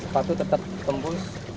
paku tetap tembus